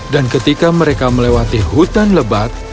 dan ketika mereka melewati hutan lebat